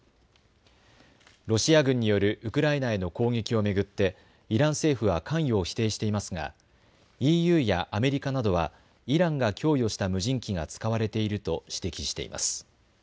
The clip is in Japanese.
ロシア軍によるウクライナへの攻撃を巡ってイラン政府は関与を否定していますがＥＵやアメリカなどはイランが供与した無人機が使われていると指摘しています。